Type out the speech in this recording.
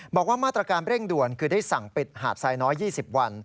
บอกว่ามาตรการเร่งด่วนคือได้สั่งปิดหาดทรายน้อย๒๐วัน